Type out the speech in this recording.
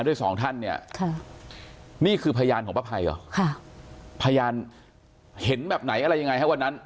ด้วยสองท่านเนี้ยค่ะนี่คือพยานของพภัย